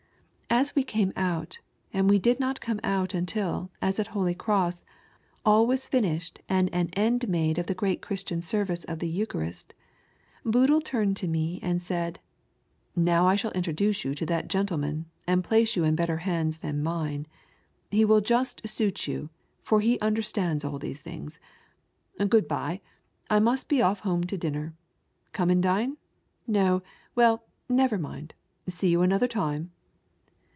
As we came out, and we did not come oat until, as at Holy Gross, all was finished and an end made of the great Christian service of the Eucharist, Boodle turned to me and said, " Now I shall introduce you to that gentleman, and place you in better hands than mine. He will just suit you, for he understands all these things. Good bye, I must be off home to dinner. Come and dine ? no ! well, never mind; see youanother time."